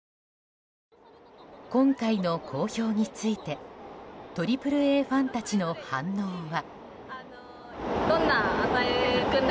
今回の公表についてＡＡＡファンたちの反応は。